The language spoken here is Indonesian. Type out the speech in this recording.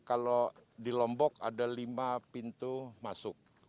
kalau di lombok ada lima pintu masuk